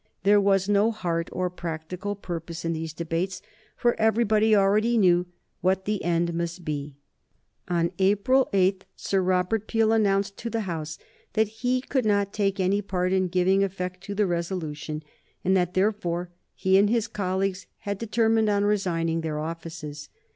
There was no heart or practical purpose in these debates, for everybody already knew what the end must be. On April 8 Sir Robert Peel announced to the House that he could not take any part in giving effect to the resolution, and that, therefore, he and his colleagues had determined on resigning their offices.